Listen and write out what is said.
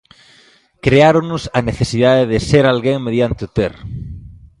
Creáronnos a necesidade de ser alguén mediante o ter.